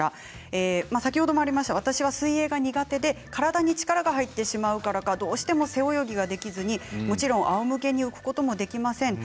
先ほどもありましたが私は水泳が苦手で体に力が入ってしまうからかどうしても背泳ぎができませんあおむけに浮くことができません。